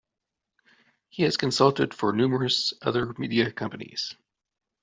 He has consulted for numerous other media companies.